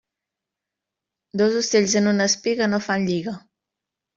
Dos ocells en una espiga no fan lliga.